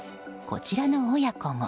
こちらの親子も。